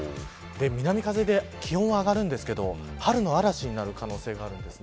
南風で気温は上がるんですが春の嵐になる可能性があります。